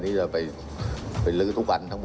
มีความรู้สึกว่า